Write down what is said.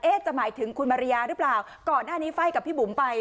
จะหมายถึงคุณมาริยาหรือเปล่าก่อนหน้านี้ไฟล์กับพี่บุ๋มไป